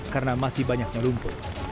karena masih banyak melumpuh